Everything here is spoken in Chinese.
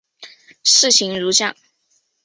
士行如将。